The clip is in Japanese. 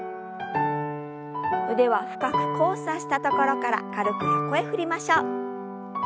腕は深く交差したところから軽く横へ振りましょう。